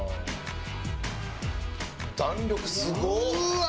弾力すごっ！